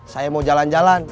saya mau jalan jalan